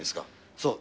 そう。